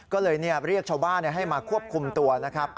ก็เลยเรียกชาวบ้านให้มาควบคุมตัวนะครับ